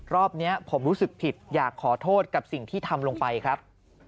รอบนี้ผมรู้สึกผิดอยากขอโทษกับสิ่งที่ทำลงไปครับ